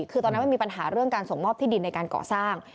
คือตอนนั้นมันมีปัญหาเรื่องการส่งมอบที่ดินในการก่อสร้าง